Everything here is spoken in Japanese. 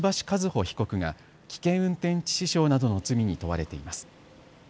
和歩被告が危険運転致死傷などの罪に問われています。